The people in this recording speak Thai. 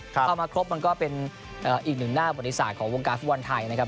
เข้ามาครบมันก็เป็นอีกหนึ่งหน้าบริษัทของวงการฟุตบอลไทยนะครับ